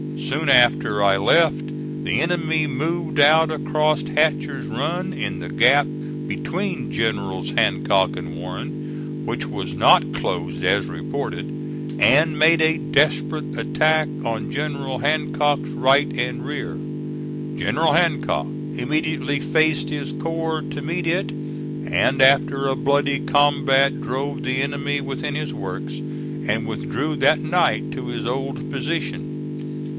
Soon after I left the enemy moved out across Hatcher's Run, in the gap between Generals Hancock and Warren, which was not closed as reported, and made a desperate attack on General Hancock's right and rear. General Hancock immediately faced his corps to meet it, and after a bloody combat drove the enemy within his works, and withdrew that night to his old position.